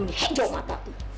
nih jauh mata